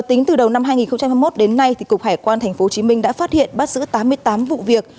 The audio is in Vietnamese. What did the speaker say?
tính từ đầu năm hai nghìn hai mươi một đến nay cục hải quan tp hcm đã phát hiện bắt giữ tám mươi tám vụ việc